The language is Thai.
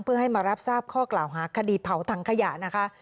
เพื่อให้มารับทราบข้อกล่าวหาคดีเผาถังขยะนะคะ